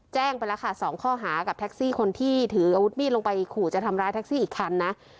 แจ้งไปแล้วค่ะ๒ข้อหากับแท็กซี่คนที่ถืออาวุธมีดลงไปขู่จะทำร้ายแท็กซี่อีกคันนะ